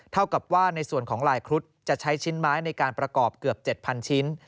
เท่ากับว่าในส่วนของลายครุฑจะใช้ชิ้นไม้ในการประกอบเกือบ๗๐๐ชิ้น